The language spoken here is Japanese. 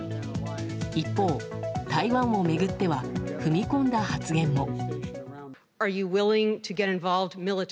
一方、台湾を巡っては踏み込んだ発言も。